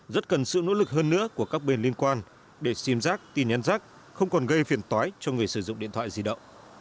rất cần sự nỗ lực hơn nữa của các bên liên quan để sim giác tin nhắn rác không còn gây phiền tói cho người sử dụng điện thoại di động